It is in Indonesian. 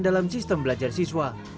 dalam sistem belajar siswa